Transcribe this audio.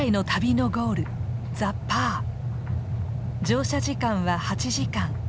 乗車時間は８時間。